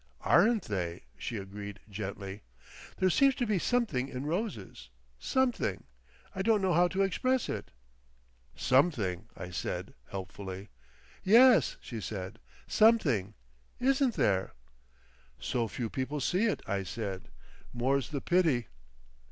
"Aren't they!" she agreed gently. "There seems to be something in roses—something—I don't know how to express it." "Something," I said helpfully. "Yes," she said, "something. Isn't there?" "So few people see it," I said; "more's the pity!"